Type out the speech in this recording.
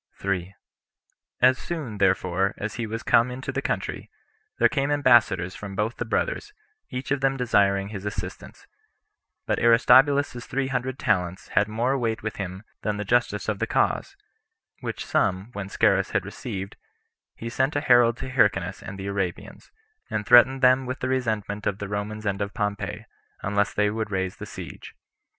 3. As soon, therefore, as he was come into the country, there came ambassadors from both the brothers, each of them desiring his assistance; but Aristobulus's three hundred talents had more weight with him than the justice of the cause; which sum, when Scaurus had received, he sent a herald to Hyrcanus and the Arabians, and threatened them with the resentment of the Romans and of Pompey, unless they would raise the siege.